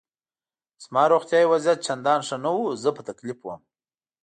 زما روغتیایي وضعیت چندان ښه نه و، زه په تکلیف وم.